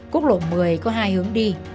phúc lộ một mươi có hai hướng đi